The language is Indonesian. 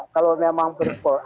kalau memang brikolier